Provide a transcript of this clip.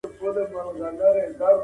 که دولت د دين مخالف وي اطاعت مه کوئ.